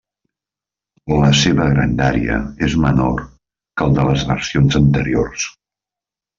La seva grandària és menor que el de les versions anteriors.